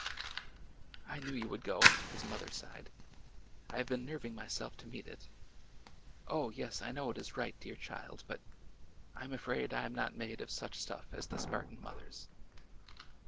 '' I knew you would go," his mother sighed. '' I have been nerving myself to meet it. Oh, yes, I knov/ it is right, dear child ; but— I 'm afraid I am not made of such stuff as the Spartan mothers."